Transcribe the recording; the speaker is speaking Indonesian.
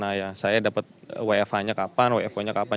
nah ya saya dapat wfh nya kapan wfo nya kapan